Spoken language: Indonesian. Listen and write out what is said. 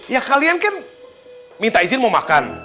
ya kalian kan minta izin mau makan